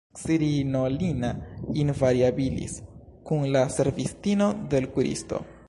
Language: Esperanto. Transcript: _Crinolina invariabilis_, kun la servistino de l' kukisto.